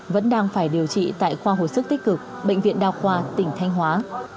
vẫn đang phải điều trị tại khoa hồi sức tích cực bệnh viện đa khoa tỉnh thanh hóa